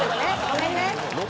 ごめんね！